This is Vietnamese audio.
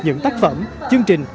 những tác phẩm chương trình